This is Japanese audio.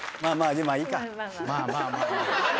まあまあまあまあ。